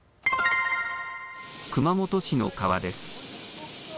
熊本市の川です。